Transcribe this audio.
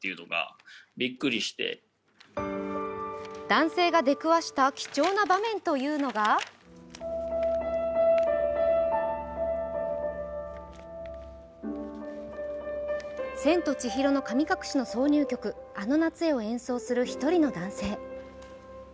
男性が出くわした貴重な場面というのが「千と千尋の神隠し」の挿入曲「あの夏へ」を演奏する１人の男性。